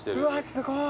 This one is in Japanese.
すごい！